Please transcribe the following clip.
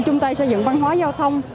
chung tay xây dựng văn hóa giao thông